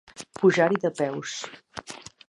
Pujar-hi de peus.